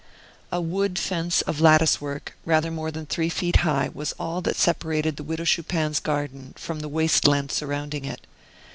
A wooden fence of lattice work, rather more than three feet high, was all that separated the Widow Chupin's garden from the waste land surrounding it.